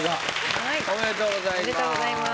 おめでとうございます。